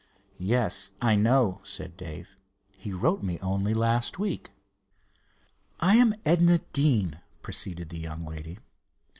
"Yes, I know," said Dave. "He wrote me only last week." "I am Edna Deane," proceeded the young lady.